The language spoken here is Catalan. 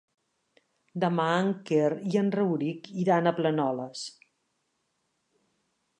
Demà en Quer i en Rauric iran a Planoles.